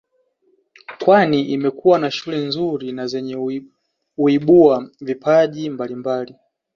Kwani imekuwa na shule nzuri na zenye kuibua vipaji mbalimbali